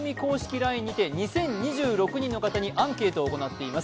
ＬＩＮＥにて２０２６人の方にアンケートを行っています。